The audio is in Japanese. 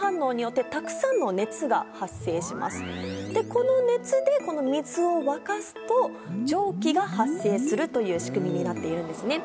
この熱で水を沸かすと蒸気が発生する仕組みになっているんですね。